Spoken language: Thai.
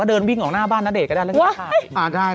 แล้วเดินวิ่งออกหน้าบ้านณเดชน์ก็ได้เรื่องรอต่าย